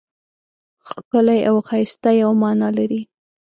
ښکلی او ښایسته یوه مانا لري.